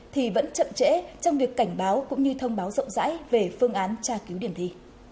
thì vẫn chậm trễ trong việc cảnh báo cũng như thông báo rộng rãi về phương án tra cứu điểm thi